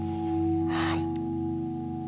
はい。